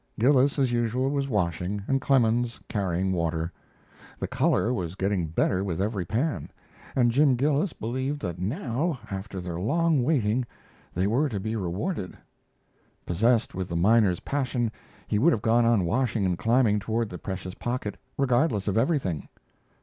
Gillis, as usual, was washing, and Clemens carrying water. The "color" was getting better with every pan, and Jim Gillis believed that now, after their long waiting, they were to be rewarded. Possessed with the miner's passion, he would have gone on washing and climbing toward the precious pocket, regardless of everything.